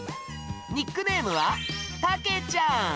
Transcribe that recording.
ニックネームは、たけちゃん。